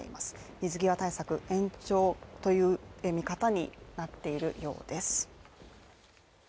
水際対策延長という見方になっているようです